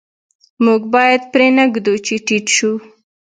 موږ باید پرې نه ږدو چې ټیټ شو.